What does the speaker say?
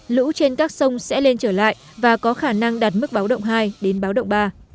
lũ trên các sông sẽ lên trở lại và có khả năng đạt mức báo động hai đến báo động ba